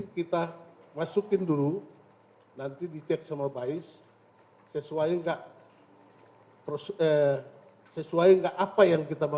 kalau kita tembak lagi